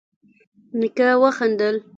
نيکه وخندل: